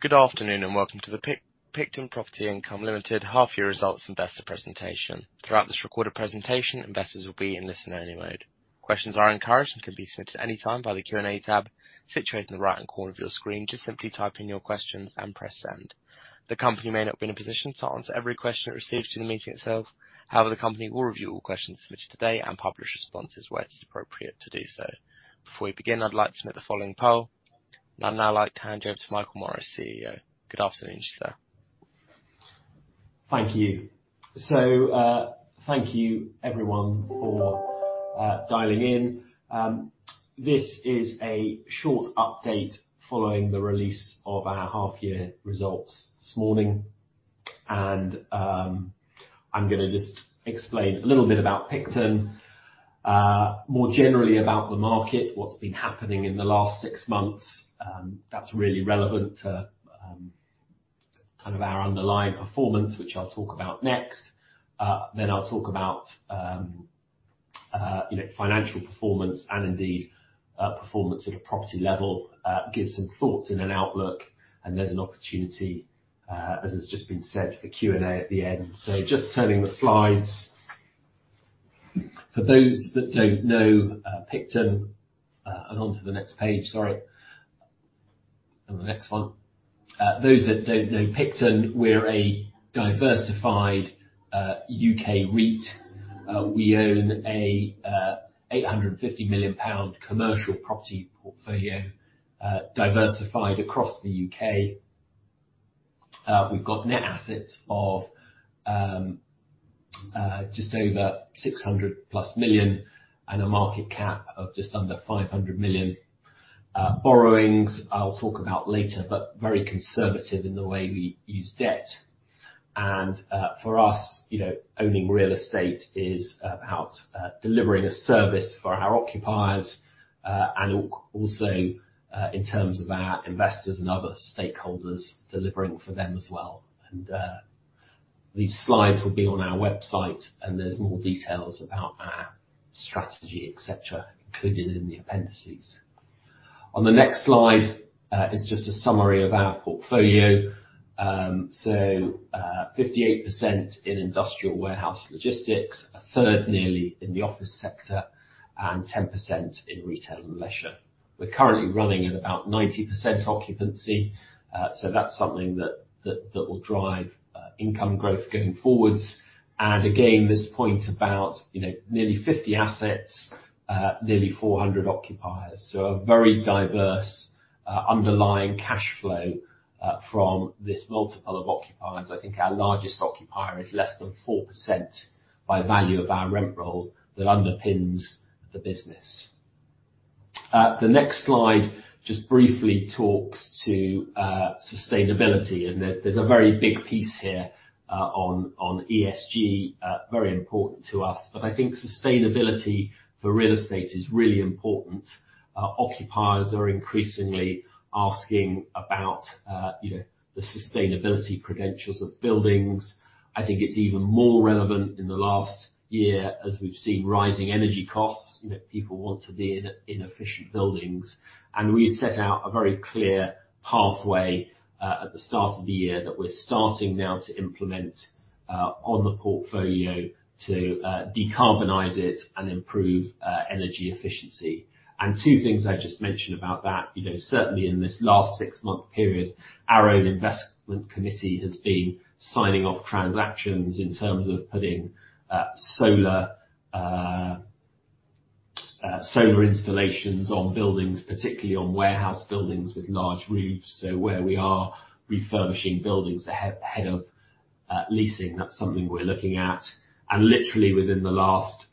Good afternoon and welcome to the PICTON Property Income Limited half year results investor presentation. Throughout this recorded presentation, investors will be in listen only mode. Questions are encouraged and can be submitted anytime by the Q&A tab situated in the right-hand corner of your screen. Just simply type in your questions and press send. The company may not be in a position to answer every question it receives during the meeting itself. However, the company will review all questions submitted today and publish responses where it is appropriate to do so. Before we begin, I'd like to submit the following poll. I'd now like to hand you over to Michael Morris, CEO. Good afternoon, sir. Thank you. Thank you everyone for dialing in. This is a short update following the release of our half year results this morning. I'm gonna just explain a little bit about PICTON, more generally about the market, what's been happening in the last six months. That's really relevant to kind of our underlying performance, which I'll talk about next. I'll talk about you know, financial performance and indeed, performance at a property level. Give some thoughts and an outlook, and there's an opportunity, as has just been said, for Q&A at the end. Just turning the slides. For those that don't know PICTON, and onto the next page, sorry. The next one. Those that don't know PICTON, we're a diversified U.K. REIT. We own a 850 million pound commercial property portfolio, diversified across the U.K. We've got net assets of just over 600+ million and a market cap of just under 500 million. Borrowings, I'll talk about later, but very conservative in the way we use debt. For us, you know, owning real estate is about delivering a service for our occupiers. Also, in terms of our investors and other stakeholders, delivering for them as well. These slides will be on our website, and there's more details about our strategy, et cetera, included in the appendices. On the next slide is just a summary of our portfolio. 58% in industrial warehouse logistics, 1/3 nearly in the office sector, and 10% in retail and leisure. We're currently running at about 90% occupancy, so that's something that will drive income growth going forwards. Again, this point about, you know, nearly 50 assets, nearly 400 occupiers. A very diverse underlying cash flow from this multiple of occupiers. I think our largest occupier is less than 4% by value of our rent roll that underpins the business. The next slide just briefly talks to sustainability, and there's a very big piece here on ESG, very important to us. I think sustainability for real estate is really important. Occupiers are increasingly asking about, you know, the sustainability credentials of buildings. I think it's even more relevant in the last year as we've seen rising energy costs, you know, people want to be in efficient buildings. We set out a very clear pathway at the start of the year that we're starting now to implement on the portfolio to decarbonize it and improve energy efficiency. Two things I'd just mention about that. You know, certainly in this last six-month period, our own investment committee has been signing off transactions in terms of putting solar installations on buildings, particularly on warehouse buildings with large roofs. Where we are refurbishing buildings ahead of leasing, that's something we're looking at. Literally within the last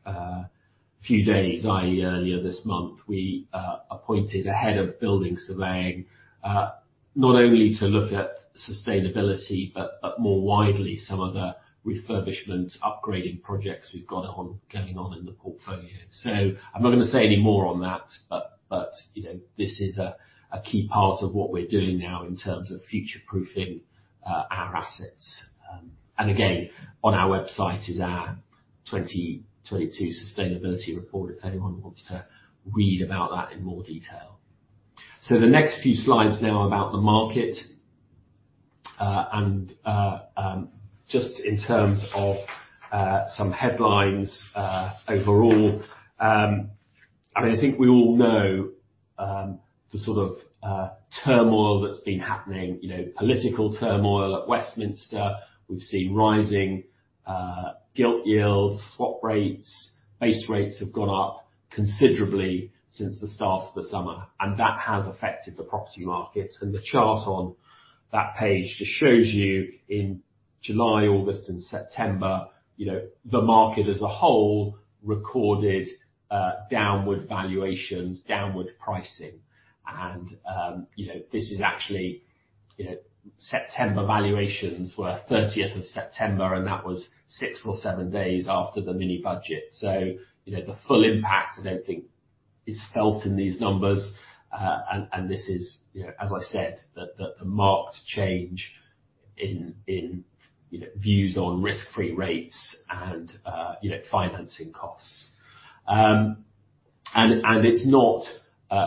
few days, i.e. earlier this month, we appointed a head of building surveying, not only to look at sustainability, but more widely, some of the refurbishment upgrading projects we've got getting on in the portfolio. I'm not gonna say any more on that, but you know, this is a key part of what we're doing now in terms of future-proofing our assets. Again, on our website is our 2022 sustainability report if anyone wants to read about that in more detail. The next few slides now are about the market. Just in terms of some headlines, overall, I mean, I think we all know the sort of turmoil that's been happening, you know, political turmoil at Westminster. We've seen rising gilt yields, swap rates, base rates have gone up considerably since the start of the summer, and that has affected the property markets. The chart on that page just shows you in July, August and September, you know, the market as a whole recorded downward valuations, downward pricing. You know, this is actually, you know, September valuations were 30th of September, and that was six or seven days after the mini-budget. You know, the full impact I don't think is felt in these numbers. This is, you know, as I said, the marked change in, you know, views on risk-free rates and, you know, financing costs. It's not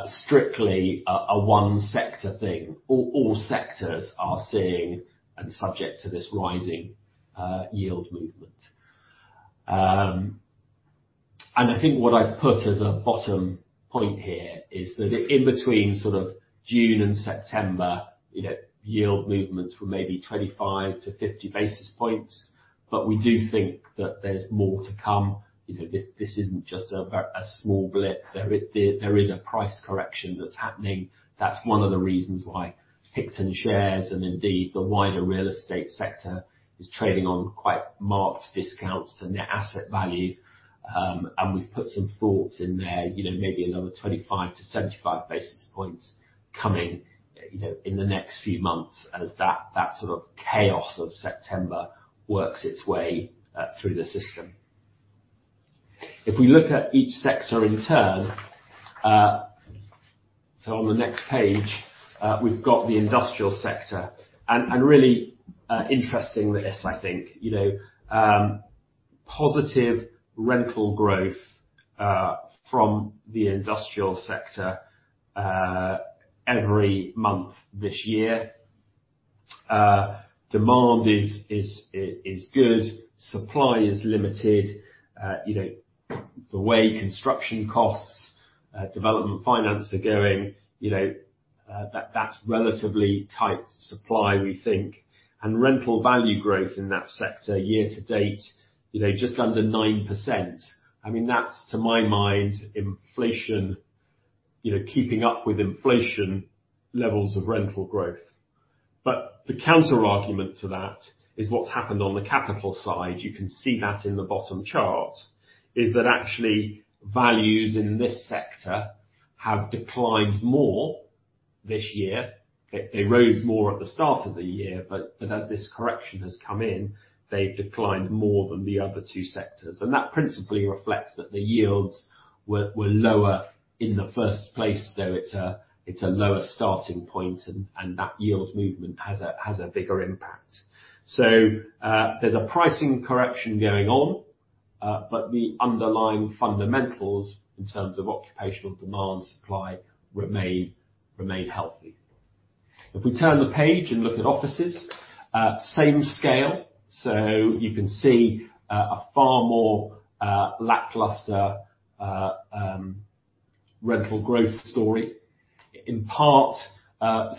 strictly a one sector thing. All sectors are seeing and subject to this rising yield movement. I think what I've put as a bottom point here is that in between sort of June and September, you know, yield movements were maybe 25-50 basis points, but we do think that there's more to come. You know, this isn't just a small blip. There is a price correction that's happening. That's one of the reasons why PICTON shares and indeed the wider real estate sector is trading on quite marked discounts to net asset value. We've put some thoughts in there, you know, maybe another 25-75 basis points coming, you know, in the next few months as that sort of chaos of September works its way through the system. If we look at each sector in turn. On the next page, we've got the industrial sector and really interesting this, I think. You know, positive rental growth from the industrial sector every month this year. Demand is good. Supply is limited. You know, the way construction costs, development finance are going, you know, that's relatively tight supply, we think. Rental value growth in that sector year to date, you know, just under 9%. I mean, that's to my mind inflation, you know, keeping up with inflation levels of rental growth. The counterargument to that is what's happened on the capital side. You can see that in the bottom chart. Actually, values in this sector have declined more this year. They rose more at the start of the year, but as this correction has come in, they've declined more than the other two sectors. That principally reflects that the yields were lower in the first place, so it's a lower starting point and that yield movement has a bigger impact. There's a pricing correction going on, but the underlying fundamentals in terms of occupational demand supply remain healthy. If we turn the page and look at offices, same scale, so you can see, a far more lackluster rental growth story, in part,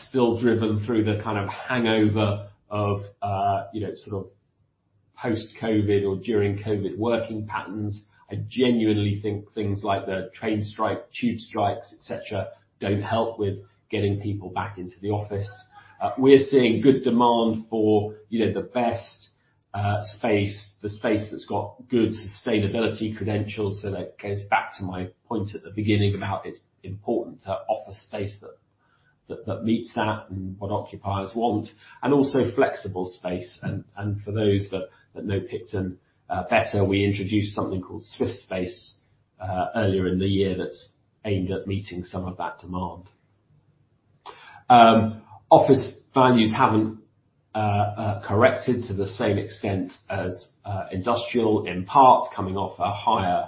still driven through the kind of hangover of, you know, sort of post-COVID or during COVID working patterns. I genuinely think things like the train strike, tube strikes, et cetera, don't help with getting people back into the office. We're seeing good demand for, you know, the best space, the space that's got good sustainability credentials. That goes back to my point at the beginning about it's important to have office space that meets that and what occupiers want, and also flexible space. For those that know PICTON better, we introduced something called SwiftSpace earlier in the year that's aimed at meeting some of that demand. Office values haven't corrected to the same extent as industrial, in part coming off a higher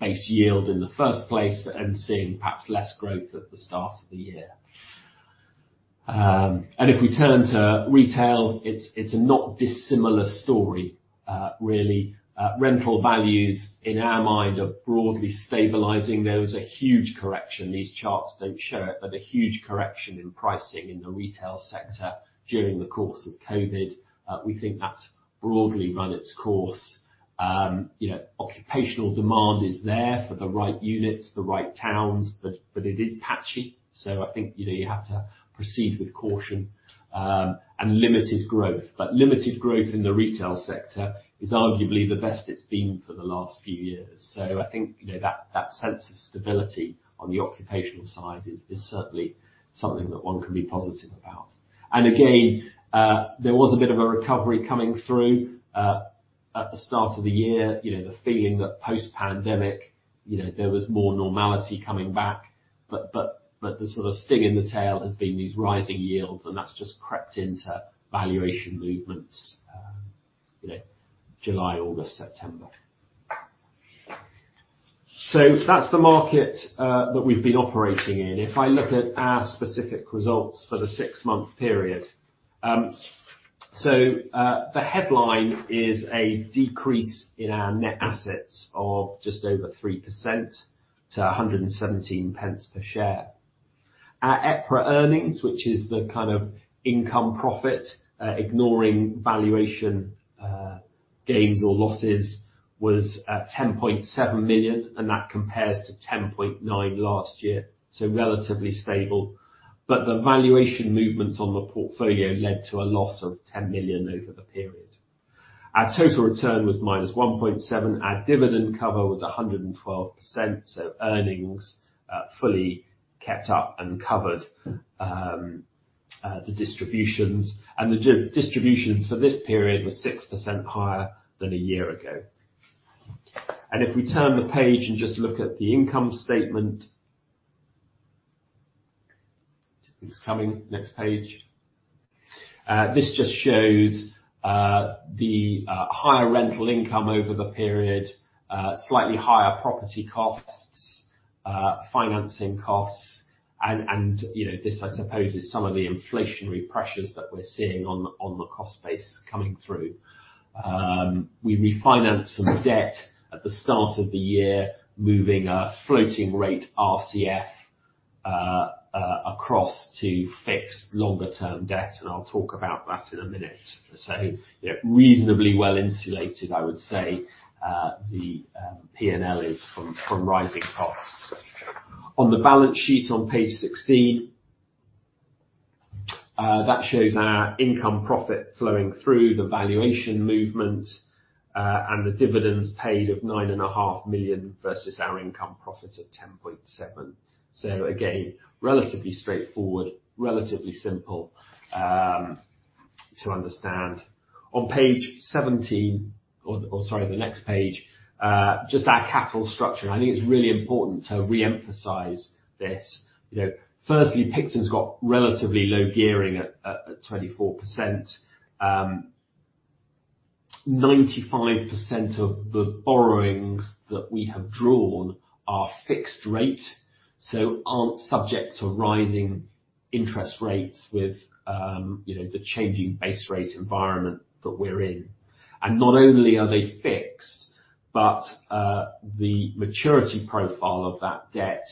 base yield in the first place and seeing perhaps less growth at the start of the year. If we turn to retail, it's a not dissimilar story, really. Rental values in our mind are broadly stabilizing. There was a huge correction. These charts don't show it, but a huge correction in pricing in the retail sector during the course of COVID. We think that's broadly run its course. You know, occupational demand is there for the right units, the right towns, but it is patchy, so I think, you know, you have to proceed with caution, and limited growth. Limited growth in the retail sector is arguably the best it's been for the last few years. I think, you know, that sense of stability on the occupational side is certainly something that one can be positive about. Again, there was a bit of a recovery coming through at the start of the year. You know, the feeling that post-pandemic, you know, there was more normality coming back. But the sort of sting in the tail has been these rising yields, and that's just crept into valuation movements, you know, July, August, September. That's the market that we've been operating in. If I look at our specific results for the six-month period. The headline is a decrease in our net assets of just over 3% to 0.117 pence per share. Our EPRA earnings, which is the kind of income profit, ignoring valuation gains or losses, was at 10.7 million, and that compares to 10.9 last year, so relatively stable. The valuation movements on the portfolio led to a loss of 10 million over the period. Our total return was -1.7%. Our dividend cover was 112%, so earnings fully kept up and covered the distributions. The distributions for this period were 6% higher than a year ago. If we turn the page and just look at the income statement. It's coming. Next page. This just shows the higher rental income over the period, slightly higher property costs, financing costs and, you know, this, I suppose, is some of the inflationary pressures that we're seeing on the cost base coming through. We refinanced some debt at the start of the year, moving a floating rate RCF across to fixed longer-term debt, and I'll talk about that in a minute. You know, reasonably well-insulated, I would say, the P&L is from rising costs. On the balance sheet on page 16, that shows our income profit flowing through the valuation movement, and the dividends paid of 9.5 million versus our income profit of 10.7 million. Again, relatively straightforward, relatively simple, to understand. On page 17, sorry, the next page, just our capital structure, and I think it's really important to re-emphasize this. You know, firstly, PICTON's got relatively low gearing at 24%. 95% of the borrowings that we have drawn are fixed rate, so aren't subject to rising interest rates with, you know, the changing base rate environment that we're in. Not only are they fixed, but the maturity profile of that debt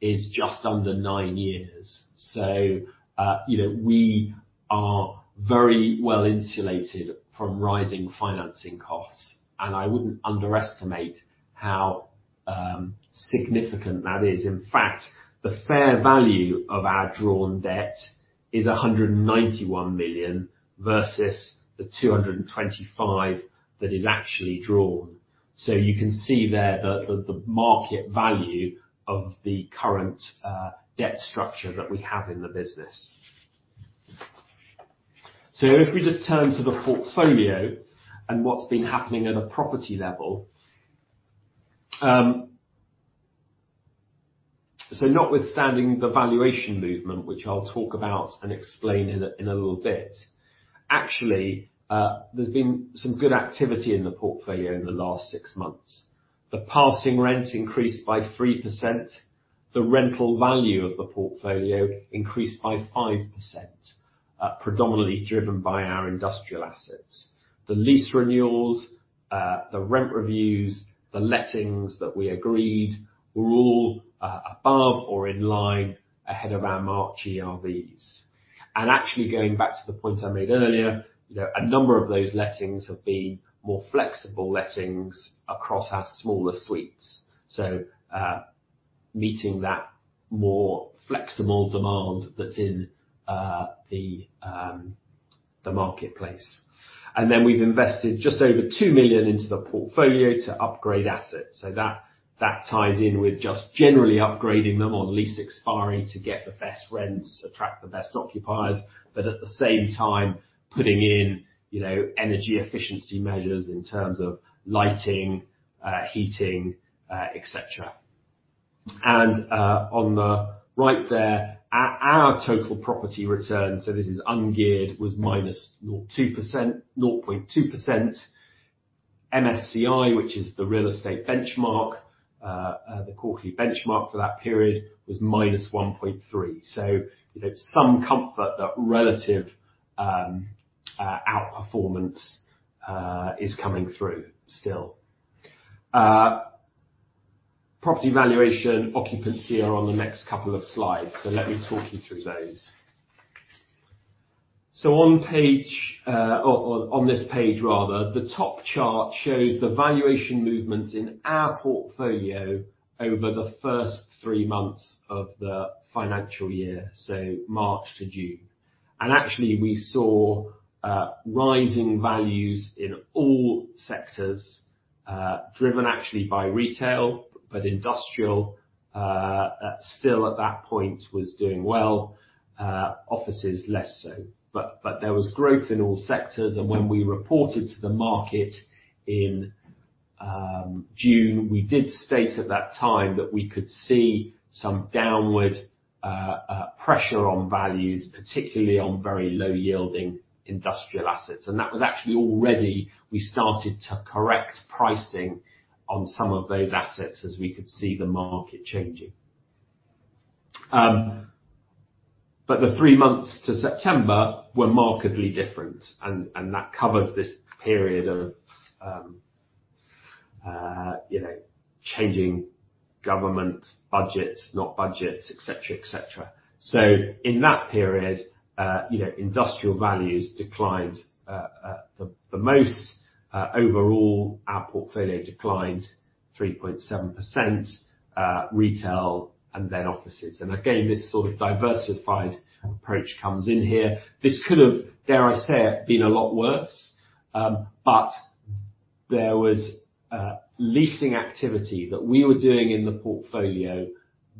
is just under nine years. You know, we are very well insulated from rising financing costs, and I wouldn't underestimate how significant that is. In fact, the fair value of our drawn debt is 191 million versus the 225 million that is actually drawn. You can see there the market value of the current debt structure that we have in the business. If we just turn to the portfolio and what's been happening at a property level. Notwithstanding the valuation movement, which I'll talk about and explain in a little bit, actually, there's been some good activity in the portfolio in the last six months. The passing rent increased by 3%. The rental value of the portfolio increased by 5%, predominantly driven by our industrial assets. The lease renewals, the rent reviews, the lettings that we agreed were all above or in line ahead of our March ERVs. Actually, going back to the point I made earlier, you know, a number of those lettings have been more flexible lettings across our smaller suites. Meeting that more flexible demand that's in the marketplace. Then we've invested just over 2 million into the portfolio to upgrade assets. That ties in with just generally upgrading them on lease expiry to get the best rents, attract the best occupiers, but at the same time putting in, you know, energy efficiency measures in terms of lighting, heating, etc. On the right there, our total property return, so this is ungeared, was -0.2%. MSCI, which is the real estate benchmark, the quarterly benchmark for that period was -1.3%. You know, some comfort that relative outperformance is coming through still. Property valuation occupancy are on the next couple of slides, so let me talk you through those. On this page rather, the top chart shows the valuation movement in our portfolio over the first three months of the financial year, so March to June. Actually, we saw rising values in all sectors, driven actually by retail, but industrial still at that point was doing well, offices less so. There was growth in all sectors. When we reported to the market in June, we did state at that time that we could see some downward pressure on values, particularly on very low-yielding industrial assets. That was actually already we started to correct pricing on some of those assets as we could see the market changing. The three months to September were markedly different, and that covers this period of, you know, changing government budgets, not budgets, et cetera. In that period, you know, industrial values declined the most. Overall, our portfolio declined 3.7%, retail and then offices. Again, this sort of diversified approach comes in here. This could have, dare I say, been a lot worse. There was leasing activity that we were doing in the portfolio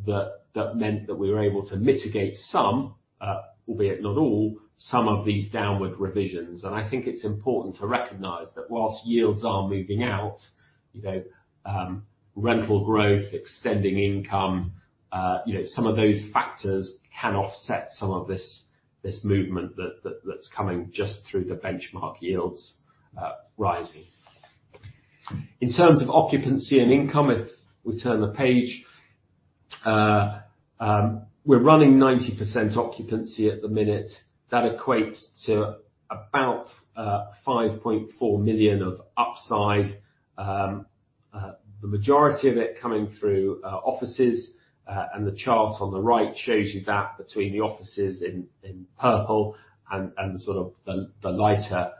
that meant that we were able to mitigate some, albeit not all, some of these downward revisions. I think it's important to recognize that while yields are moving out, you know, rental growth, extending income, you know, some of those factors can offset some of this movement that's coming just through the benchmark yields rising. In terms of occupancy and income, if we turn the page. We're running 90% occupancy at the minute. That equates to about 5.4 million of upside, the majority of it coming through offices. The chart on the right shows you that between the offices in purple and sort of the lighter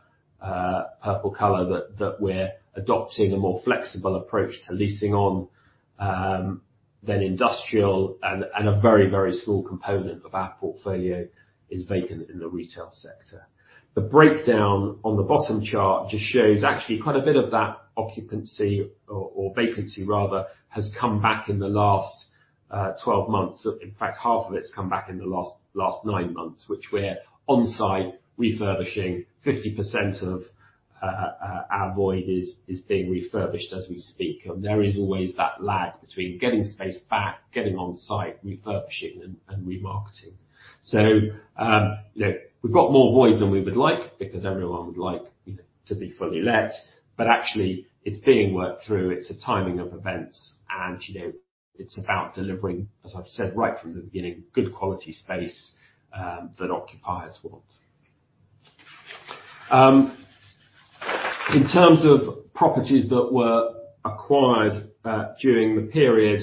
purple color that we're adopting a more flexible approach to leasing on than industrial and a very small component of our portfolio is vacant in the retail sector. The breakdown on the bottom chart just shows actually quite a bit of that occupancy or vacancy rather has come back in the last 12 months. In fact, half of it's come back in the last nine months, which we're on-site refurbishing 50% of our void is being refurbished as we speak. There is always that lag between getting space back, getting on-site refurbishing and remarketing. You know, we've got more void than we would like because everyone would like, you know, to be fully let, but actually it's being worked through. It's a timing of events and, you know, it's about delivering, as I've said right from the beginning, good quality space that occupiers want. In terms of properties that were acquired during the period,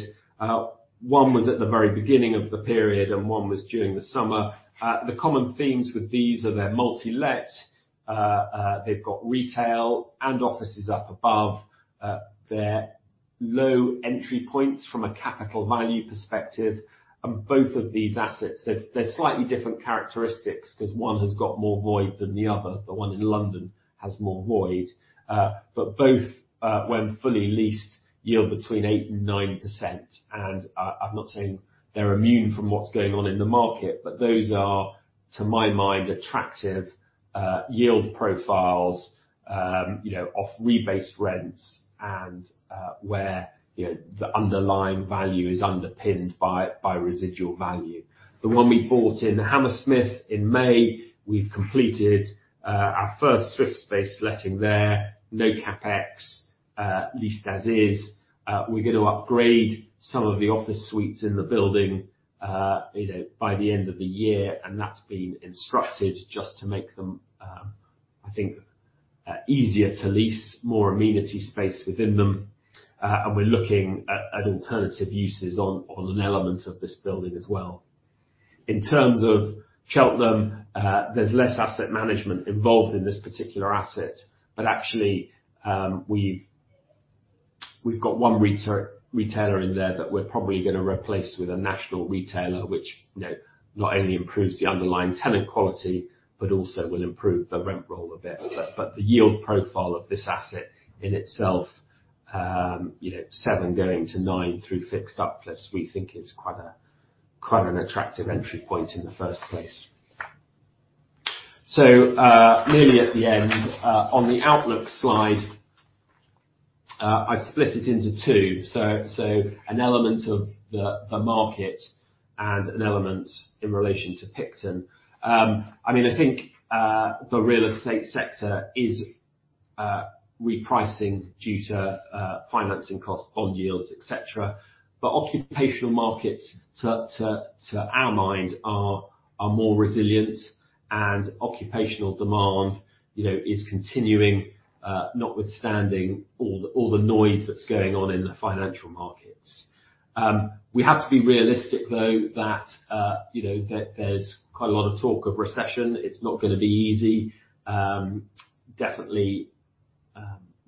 one was at the very beginning of the period, and one was during the summer. The common themes with these are they're multi-let, they've got retail and offices up above. They're low entry points from a capital value perspective. Both of these assets, they're slightly different characteristics 'cause one has got more void than the other, the one in London has more void. But both, when fully leased, yield between 8% and 9%. I'm not saying they're immune from what's going on in the market, but those are, to my mind, attractive yield profiles, you know, off rebased rents and where, you know, the underlying value is underpinned by residual value. The one we bought in Hammersmith in May, we've completed our first SwiftSpace letting there, no CapEx, leased as is. We're gonna upgrade some of the office suites in the building, you know, by the end of the year, and that's been instructed just to make them, I think, easier to lease, more amenity space within them. We're looking at alternative uses on an element of this building as well. In terms of Cheltenham, there's less asset management involved in this particular asset. Actually, we've got one retailer in there that we're probably gonna replace with a national retailer, which, you know, not only improves the underlying tenant quality, but also will improve the rent roll a bit. The yield profile of this asset in itself, you know, seven going to nine through fixed uplifts, we think is quite an attractive entry point in the first place. Nearly at the end, on the outlook slide, I've split it into two. An element of the market and an element in relation to PICTON. I mean, I think the real estate sector is repricing due to financing costs, bond yields, et cetera. Occupational markets, to our mind, are more resilient and occupational demand, you know, is continuing, notwithstanding all the noise that's going on in the financial markets. We have to be realistic, though, that, you know, there's quite a lot of talk of recession. It's not gonna be easy. Definitely,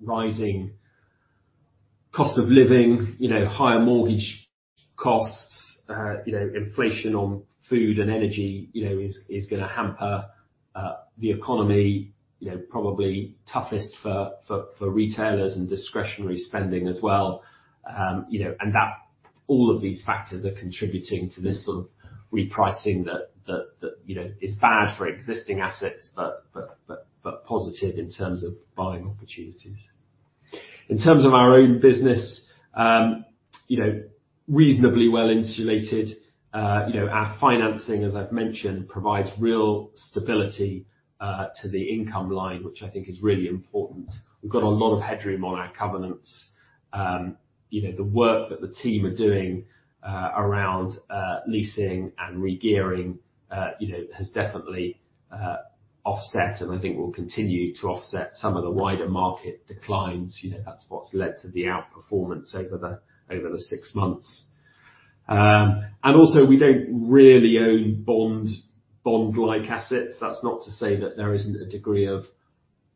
rising cost of living, you know, higher mortgage costs, you know, inflation on food and energy, you know, is gonna hamper the economy, you know, probably toughest for retailers and discretionary spending as well. That all of these factors are contributing to this sort of repricing that, you know, is bad for existing assets, but positive in terms of buying opportunities. In terms of our own business, you know, reasonably well insulated. You know, our financing, as I've mentioned, provides real stability to the income line, which I think is really important. We've got a lot of headroom on our covenants. You know, the work that the team are doing around leasing and regearing you know has definitely offset and I think will continue to offset some of the wider market declines. You know, that's what's led to the outperformance over the six months. We don't really own bond-like assets. That's not to say that there isn't a degree of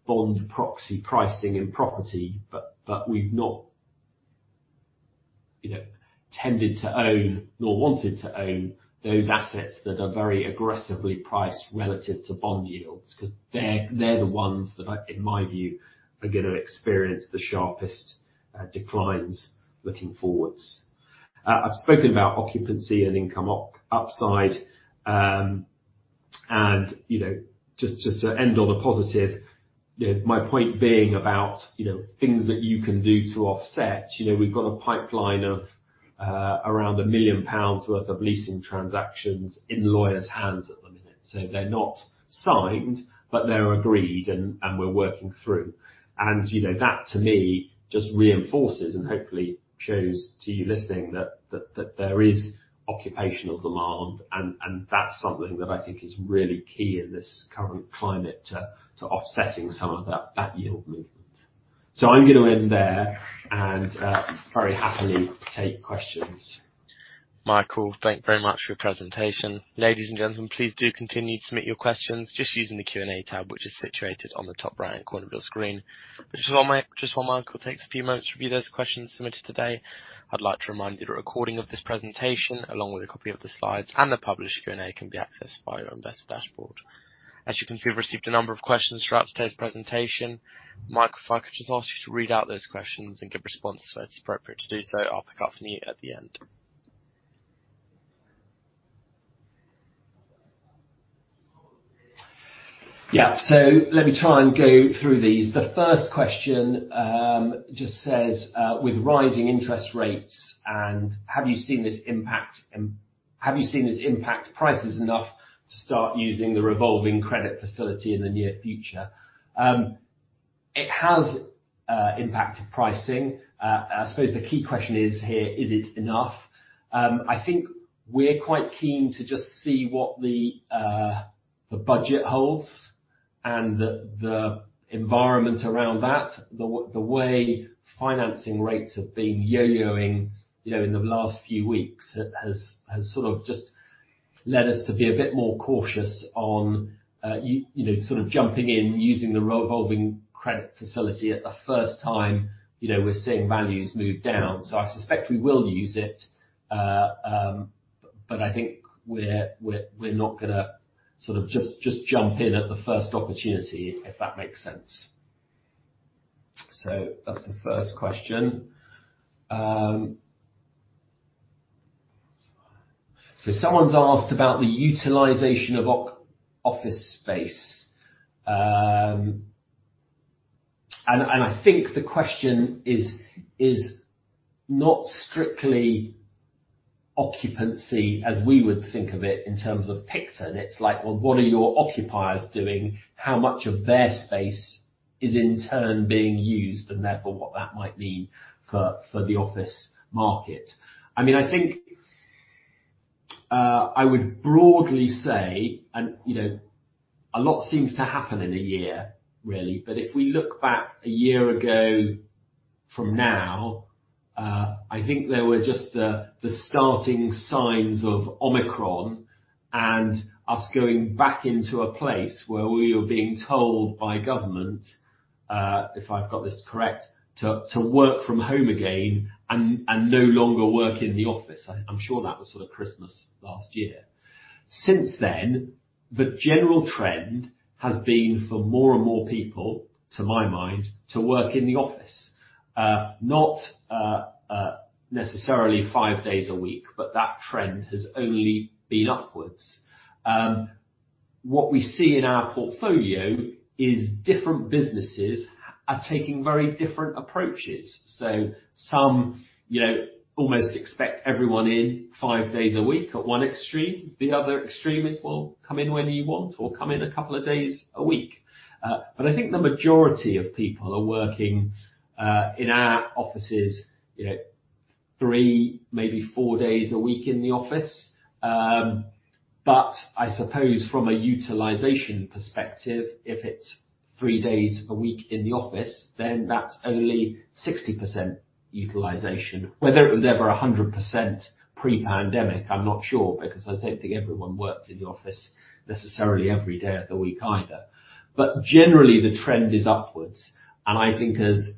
bond proxy pricing in property, but we've not you know tended to own nor wanted to own those assets that are very aggressively priced relative to bond yields, 'cause they're the ones that in my view are gonna experience the sharpest declines looking forward. I've spoken about occupancy and income upside. You know, just to end on a positive, you know, my point being about, you know, things that you can do to offset. You know, we've got a pipeline of around 1 million pounds worth of leasing transactions in lawyers' hands at the minute. They're not signed, but they're agreed and we're working through. You know, that to me just reinforces and hopefully shows to you listening that there is occupational demand and that's something that I think is really key in this current climate to offsetting some of that yield movement. I'm gonna end there and very happily take questions. Michael, thank you very much for your presentation. Ladies and gentlemen, please do continue to submit your questions just using the Q&A tab which is situated on the top right-hand corner of your screen. Just while Michael takes a few moments to review those questions submitted today, I'd like to remind you that a recording of this presentation along with a copy of the slides and the published Q&A can be accessed via your investor dashboard. As you can see, we've received a number of questions throughout today's presentation. Michael, if I could just ask you to read out those questions and give responses where it's appropriate to do so. I'll pick up from you at the end. Yeah. Let me try and go through these. The first question just says, with rising interest rates and have you seen this impact prices enough to start using the revolving credit facility in the near future? It has impacted pricing. I suppose the key question is here, is it enough? I think we're quite keen to just see what the budget holds and the environment around that. The way financing rates have been yo-yoing, you know, in the last few weeks has sort of just led us to be a bit more cautious on, you know, sort of jumping in using the revolving credit facility at the first time, you know, we're seeing values move down. I suspect we will use it, but I think we're not gonna sort of just jump in at the first opportunity, if that makes sense. That's the first question. Someone's asked about the utilization of office space. I think the question is not strictly occupancy as we would think of it in terms of PICTON. It's like, well, what are your occupiers doing? How much of their space is in turn being used, and therefore what that might mean for the office market. I mean, I think, I would broadly say, and, you know, a lot seems to happen in a year really, but if we look back a year ago from now, I think there were just the starting signs of Omicron and us going back into a place where we were being told by government, if I've got this correct, to work from home again and no longer work in the office. I'm sure that was sort of Christmas last year. Since then, the general trend has been for more and more people, to my mind, to work in the office. Not necessarily five days a week, but that trend has only been upwards. What we see in our portfolio is different businesses are taking very different approaches. Some, you know, almost expect everyone in five days a week at one extreme. The other extreme is, well, come in whenever you want or come in a couple of days a week. But I think the majority of people are working in our offices, you know, three, maybe four days a week in the office. But I suppose from a utilization perspective, if it's three days a week in the office, then that's only 60% utilization. Whether it was ever 100% pre-pandemic, I'm not sure, because I don't think everyone worked in the office necessarily every day of the week either. Generally, the trend is upwards, and I think as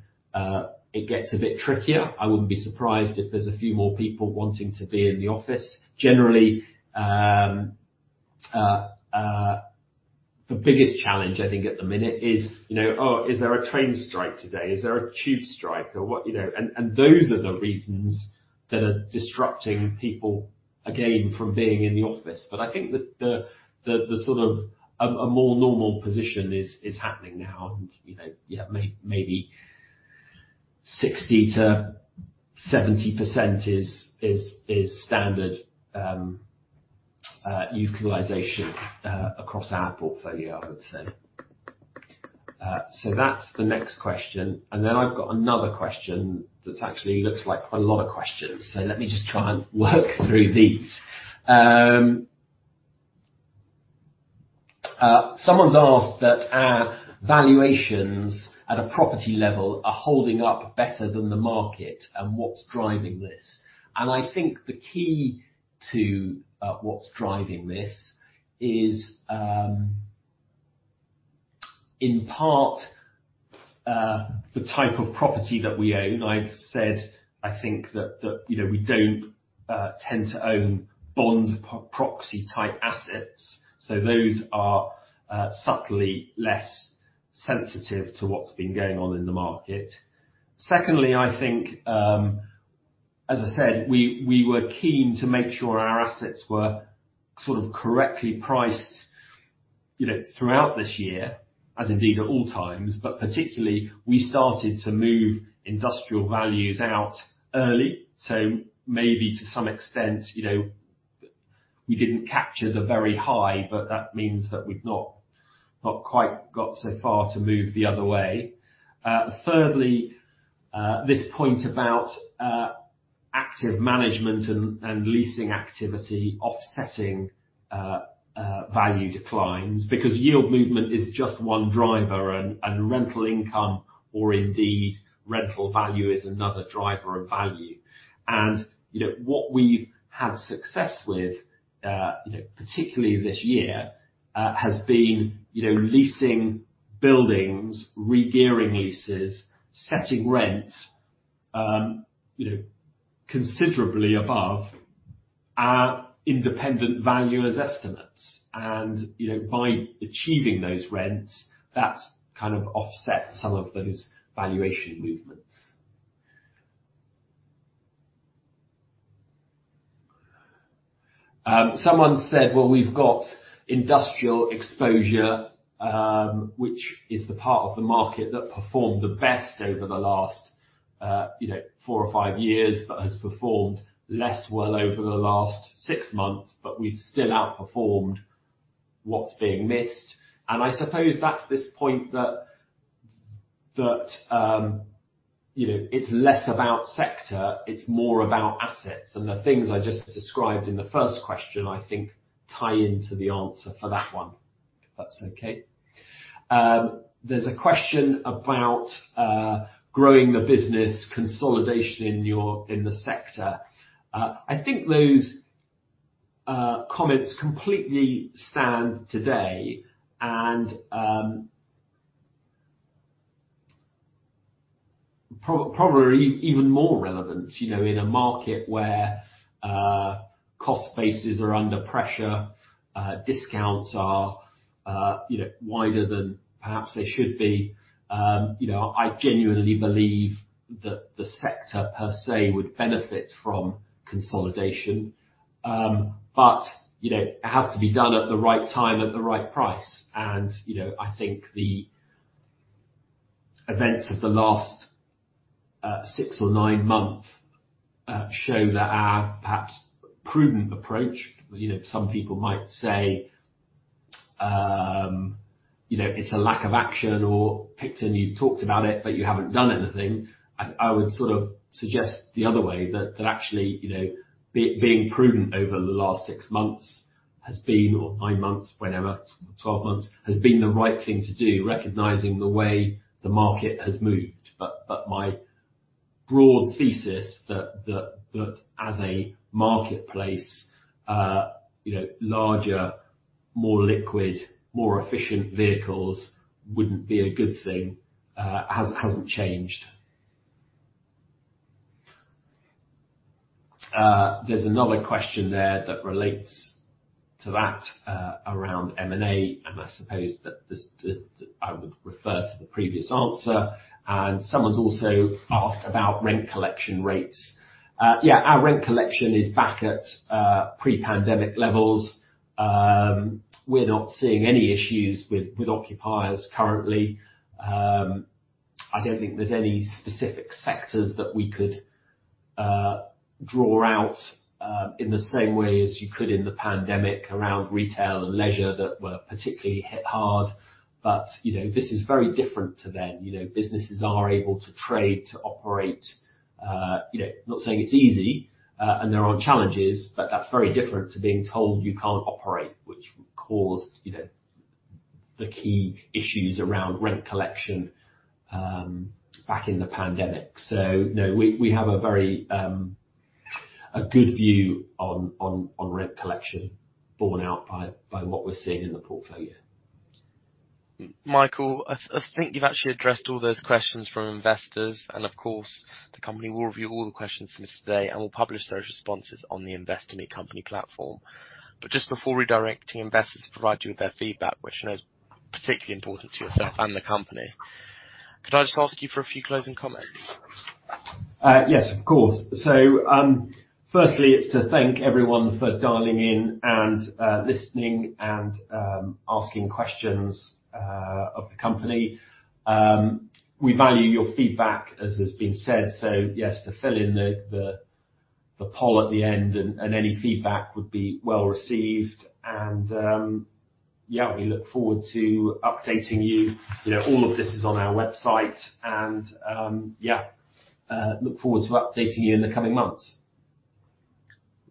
it gets a bit trickier, I wouldn't be surprised if there's a few more people wanting to be in the office. Generally, the biggest challenge I think at the minute is, you know, oh, is there a train strike today? Is there a tube strike or what, you know? Those are the reasons that are disrupting people again from being in the office. I think the sort of a more normal position is happening now and, you know, yeah, maybe 60%-70% is standard utilization across our portfolio, I would say. That's the next question. I've got another question that actually looks like quite a lot of questions. Let me just try and work through these. Someone's asked that our valuations at a property level are holding up better than the market and what's driving this? I think the key to what's driving this is, in part, the type of property that we own. I've said I think that you know, we don't tend to own bond proxy type assets, so those are subtly less sensitive to what's been going on in the market. Secondly, I think, as I said, we were keen to make sure our assets were sort of correctly priced. You know, throughout this year, as indeed at all times, but particularly we started to move industrial values out early. Maybe to some extent, you know, we didn't capture the very high, but that means that we've not quite got so far to move the other way. Thirdly, this point about active management and leasing activity offsetting value declines because yield movement is just one driver and rental income or indeed rental value is another driver of value. You know, what we've had success with, you know, particularly this year, has been, you know, leasing buildings, regearing leases, setting rent, you know, considerably above our independent valuers' estimates. You know, by achieving those rents, that's kind of offset some of those valuation movements. Someone said, well, we've got industrial exposure, which is the part of the market that performed the best over the last, you know, four or five years, but has performed less well over the last six months, but we've still outperformed what's being missed. I suppose at this point that you know, it's less about sector, it's more about assets. The things I just described in the first question, I think tie into the answer for that one, if that's okay. There's a question about growing the business, consolidation in your sector. I think those comments completely stand today and probably even more relevant, you know, in a market where cost bases are under pressure, discounts are you know, wider than perhaps they should be. You know, I genuinely believe that the sector per se would benefit from consolidation. You know, it has to be done at the right time, at the right price. You know, I think the events of the last six or nine months show that our perhaps prudent approach, you know, some people might say, you know, it's a lack of action or PICTON, you've talked about it, but you haven't done anything. I would sort of suggest the other way that that actually, you know, being prudent over the last six months has been or nine months, whenever, 12 months, has been the right thing to do, recognizing the way the market has moved. My broad thesis that as a marketplace, you know, larger, more liquid, more efficient vehicles wouldn't be a good thing hasn't changed. There's another question there that relates to that around M&A, and I suppose that that I would refer to the previous answer. Someone's also asked about rent collection rates. Yeah, our rent collection is back at pre-pandemic levels. We're not seeing any issues with occupiers currently. I don't think there's any specific sectors that we could draw out in the same way as you could in the pandemic around retail and leisure that were particularly hit hard. You know, this is very different to then. You know, businesses are able to trade, to operate. You know, not saying it's easy and there aren't challenges, but that's very different to being told you can't operate, which caused, you know, the key issues around rent collection back in the pandemic. We have a very good view on rent collection borne out by what we're seeing in the portfolio. Michael, I think you've actually addressed all those questions from investors. Of course, the company will review all the questions from today, and we'll publish those responses on the Investor Meet Company platform. Just before redirecting investors to provide you with their feedback, which I know is particularly important to yourself and the company, could I just ask you for a few closing comments? Yes, of course. Firstly, it's to thank everyone for dialing in and listening and asking questions of the company. We value your feedback as has been said. Yes, to fill in the poll at the end and any feedback would be well received. Yeah, we look forward to updating you. You know, all of this is on our website and yeah, look forward to updating you in the coming months.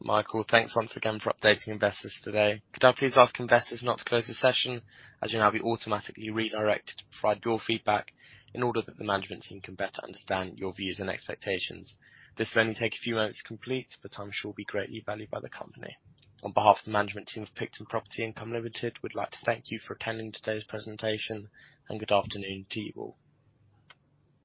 Michael, thanks once again for updating investors today. Could I please ask investors now to close the session, as you'll now be automatically redirected to provide your feedback in order that the management team can better understand your views and expectations. This will only take a few moments to complete, but I'm sure will be greatly valued by the company. On behalf of the management team of PICTON Property Income Limited, we'd like to thank you for attending today's presentation, and good afternoon to you all.